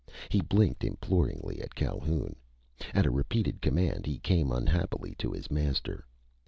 He blinked imploringly at Calhoun. At a repeated command he came unhappily to his master.